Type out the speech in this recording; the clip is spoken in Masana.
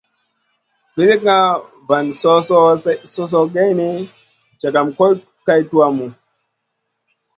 Brikŋa van so-soh geyni, jagam goy kay tuhmu.